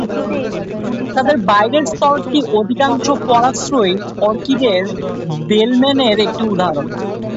তাদের বাইরের স্তরটি অধিকাংশ পরাশ্রয়ী অর্কিডের ভেলমেনের একটি উদাহরণ।